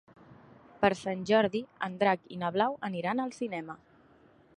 Per Sant Jordi en Drac i na Blau aniran al cinema.